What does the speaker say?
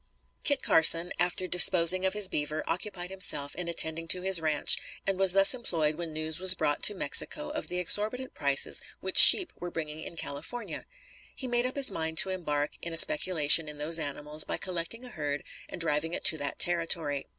Kit Carson, after disposing of his beaver, occupied himself in attending to his ranche, and was thus employed when news was brought to New Mexico of the exorbitant prices which sheep were bringing in California. He made up his mind to embark in a speculation in those animals by collecting a herd and driving it to that territory.